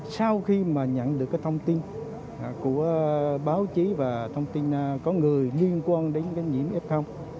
sau khi mà nhận được cái thông tin của báo chí và thông tin có người liên quan đến cái nhiễm f